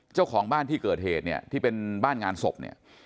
เจ้าของบ้านที่เกิดเหตุเนี่ยที่เป็นบ้านงานศพเนี่ย